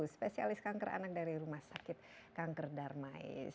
spesialis kanker anak dari rumah sakit kanker darmais